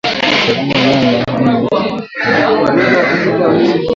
Chagua nyanya nne za ukubwa wa kati